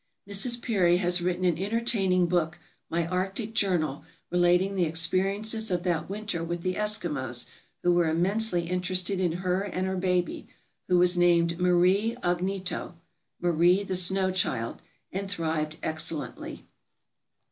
Mrs. Peary has written an entertaining book, "My Arctic Journal," relating the experi ences of that winter with the Eskimos, who were immensely interested in her and her baby, who was named Marie Aghnito — Marie, the Snow child — and thrived excellently.